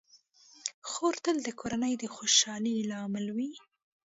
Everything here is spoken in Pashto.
خور تل د کورنۍ د خوشحالۍ لامل وي.